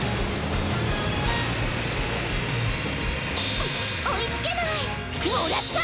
くっおいつけない！もらった！